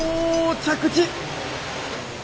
着地！